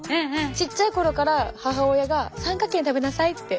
ちっちゃい頃から母親が「三角形に食べなさい」って。